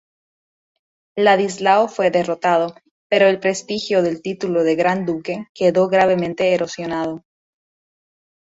Ladislao fue derrotado, pero el prestigio del título de Gran Duque quedó gravemente erosionado.